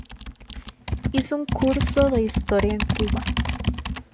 Hizo un curso de historia en Cuba.